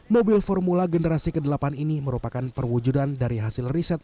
mobil formula generasi ke delapan ini merupakan perwujudan dari hasil riset